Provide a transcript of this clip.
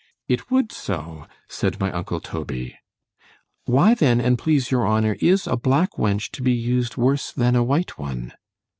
It would so; said my uncle Toby. Why then, an' please your honour, is a black wench to be used worse than a white one?